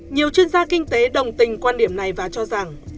nhiều chuyên gia kinh tế đồng tình quan điểm này và cho rằng